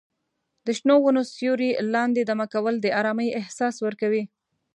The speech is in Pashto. د شنو ونو سیوري لاندې دمه کول د ارامۍ احساس ورکوي.